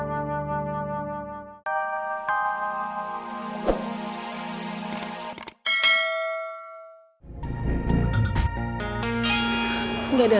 lalu aku akan mencoba untuk melahirkan diriku